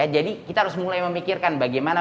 jadi kita harus mulai memikirkan bagaimana